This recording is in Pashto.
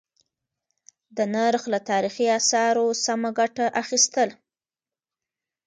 د نرخ له تاريخي آثارو سمه گټه اخيستل: